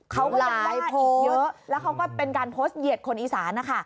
เขาก็ยังว่าอีกเยอะแล้วเขาก็เป็นการโพสต์เหยียดคนอีสานนะคะ